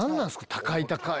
高い高い！